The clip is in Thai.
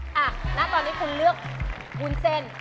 ณตอนนี้คุณเลือกวุ้นเส้น